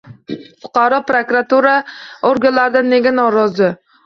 Fuqaro prokuratura organlaridan nega norozi